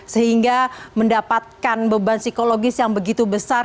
sehingga mendapatkan beban psikologis yang begitu besar